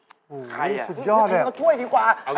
โอ๊ยเจ้าช่วยดีกว่า